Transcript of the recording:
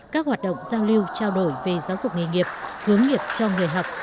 các hoạt động giao lưu trao đổi về giáo dục nghề nghiệp hướng nghiệp cho người học